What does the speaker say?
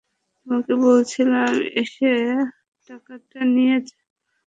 তোকে বলেছিলাম এসে টাকাটা নিয়ে যাবি।